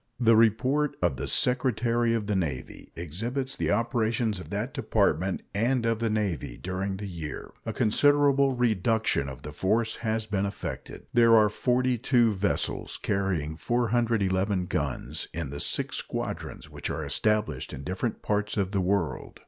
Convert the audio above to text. The report of the Secretary of the Navy exhibits the operations of that Department and of the Navy during the year. A considerable reduction of the force has been effected. There are 42 vessels, carrying 411 guns, in the six squadrons which are established in different parts of the world.